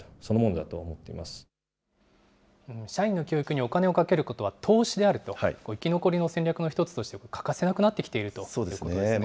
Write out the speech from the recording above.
逆にお金をかけることは投資であると、生き残りの戦略の一つとして欠かせなくなっているということですね。